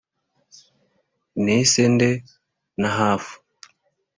n'isende na hafu,